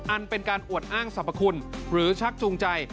อันเป็นการอวดอ้างสรรพคุณหรือชักจูงใจ